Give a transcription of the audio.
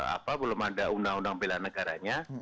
apa belum ada undang undang bela negaranya